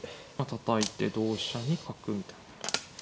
たたいて同飛車に角みたいな。